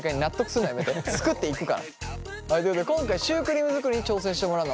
作っていくから。ということで今回シュークリーム作りに挑戦してもらうのは北斗。